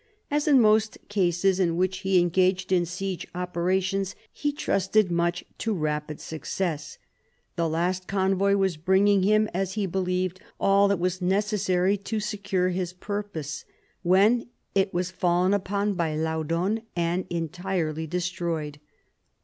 As in most cases in which he engaged in siege operations, he trusted much to rapid success ; the last convoy was bringing him, as he believed, all that was necessary to secure his purpose, when it was fallen on by Laudon and entirely destroyed.